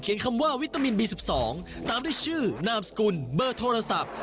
คำว่าวิตามินบี๑๒ตามด้วยชื่อนามสกุลเบอร์โทรศัพท์